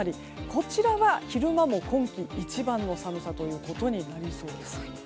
こちらは昼間も今季一番の寒さとなりそうです。